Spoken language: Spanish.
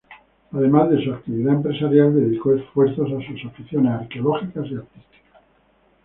Además de su actividad empresarial, dedicó esfuerzos a sus aficiones arqueológicas y artísticas.